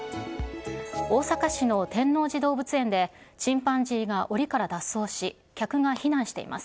大阪市の天王寺動物園で、チンパンジーがおりから脱走し、客が避難しています。